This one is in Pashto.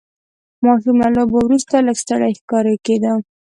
ماشوم له لوبو وروسته لږ ستړی ښکاره کېده.